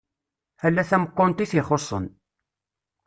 Ala tameqqunt i t-ixuṣṣen.